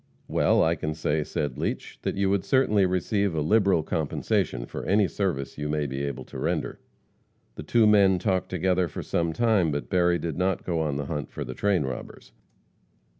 "Well, I can say," said Leach, "that you would certainly receive a liberal compensation for any service you may be able to render." The two men talked together some time, but Berry did not go on the hunt for the train robbers.